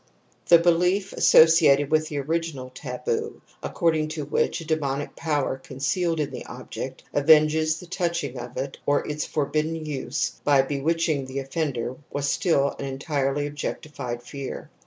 The belief associated with the original taboo, according to which a demonic power concealed in the object avenges the touching of it or its for THE AMBIVALENCE OF EMOTIONS 43 \ bidden use by bewitching the offender was still an entirely objectified fear.